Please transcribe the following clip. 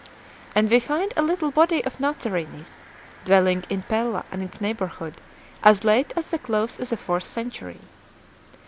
And we find a little body of Nazarenes dwelling in Pella and its neighbour hood as late as the close of the fourth century 2